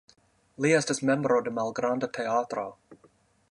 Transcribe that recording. Li estas membro de malgranda teatro.